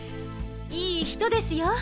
いい人ですよ。